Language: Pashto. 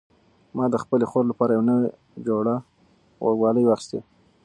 ما د خپلې خور لپاره یو نوی جوړه غوږوالۍ واخیستې.